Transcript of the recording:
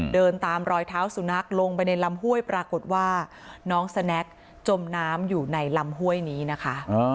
เดินตามรอยเท้าสุนัขลงไปในลำห้วยปรากฏว่าน้องสแน็กจมน้ำอยู่ในลำห้วยนี้นะคะ